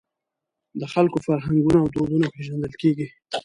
د خلکو فرهنګونه او دودونه پېژندل کېږي.